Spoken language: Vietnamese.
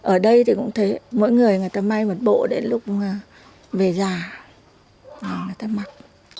ở đây thì cũng thế mỗi người người ta may một bộ để lúc về già người ta mặc